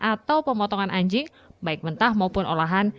atau pemotongan anjing baik mentah maupun olahan